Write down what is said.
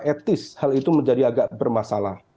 etis hal itu menjadi agak bermasalah